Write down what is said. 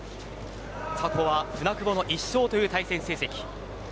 過去は舟久保の１勝という対戦成績。